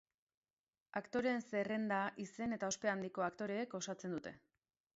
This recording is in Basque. Aktoreen zerrenda izen eta ospe handiko aktoreek osatzen dute.